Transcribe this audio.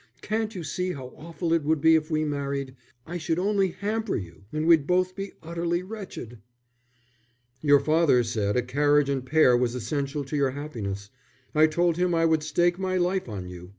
Can't you see how awful it would be if we married? I should only hamper you, and we'd both be utterly wretched." "Your father said a carriage and pair was essential to your happiness. I told him I would stake my life on you.